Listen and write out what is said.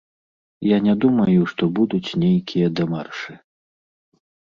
Я не думаю, што будуць нейкія дэмаршы.